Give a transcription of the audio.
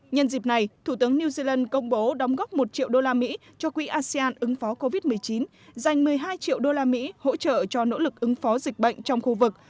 nhân dịp này thủ tướng new zealand công bố đóng góp một triệu đô la mỹ cho quỹ asean ứng phó covid một mươi chín dành một mươi hai triệu đô la mỹ hỗ trợ cho nỗ lực ứng phó dịch bệnh trong khu vực